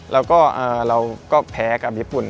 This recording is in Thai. เราก็แพ้กับญี่ปุ่น